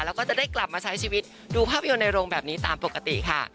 แล้วก็จะได้กลับมาใช้ชีวิตดูภาพยนตร์ในโรงแบบนี้ตามปกติค่ะ